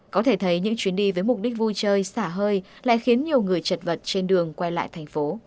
có thể thấy những chuyến đi với mục đích vui chơi xả hơi lại khiến nhiều người chật vật trên đường quay lại thành phố